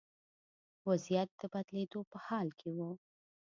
وضعیت د بدلېدو په حال کې و.